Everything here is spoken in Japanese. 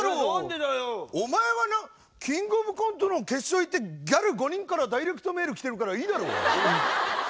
お前はな「キングオブコント」の決勝行ってギャル５人からダイレクトメールきてるからいいだろ！